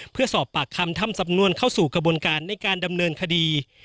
เพื่อสอบปากคำทำสำนวนเข้าสู่กระบวนการในการดำเนินคดี